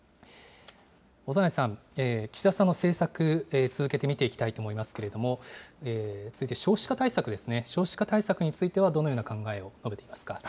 長内さん、岸田さんの政策、続けて見ていきたいと思いますけれども、続いて少子化対策ですね、少子化対策については、どのような考えを述べていますか。